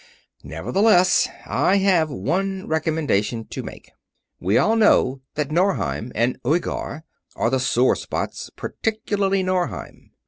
Nevertheless, I have one recommendation to make. We all know that Norheim and Uighar are the sore spots particularly Norheim.